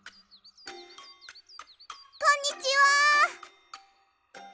こんにちは！